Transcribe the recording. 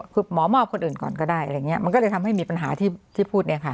คือหมอมอบคนอื่นก่อนก็ได้อะไรอย่างนี้มันก็เลยทำให้มีปัญหาที่พูดเนี่ยค่ะ